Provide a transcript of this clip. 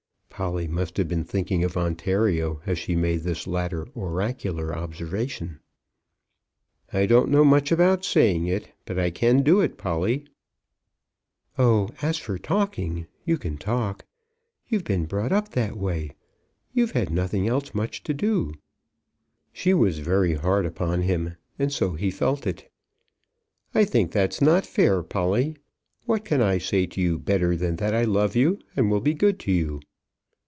Polly must have been thinking of Ontario as she made this latter oracular observation. "I don't know much about saying it; but I can do it, Polly." "Oh, as for talking, you can talk. You've been brought up that way. You've had nothing else much to do." She was very hard upon him, and so he felt it. "I think that's not fair, Polly. What can I say to you better than that I love you, and will be good to you?"